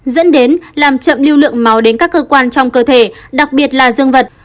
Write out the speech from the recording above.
dẫn đến làm chậm lưu lượng máu đến các cơ quan trong cơ thể đặc biệt là dương vật